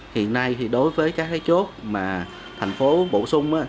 hiện nay thì đối với các cái chốt mà thành phố bổ sung